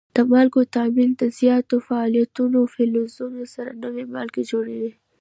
د مالګو تعامل د زیاتو فعالو فلزونو سره نوي مالګې جوړوي.